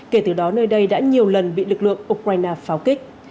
kể từ đó nơi đây đã nhiều lần bị lực lượng ukraine pháo kích